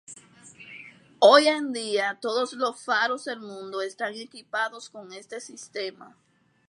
Hoy en día todos los faros del mundo están equipados con este sistema.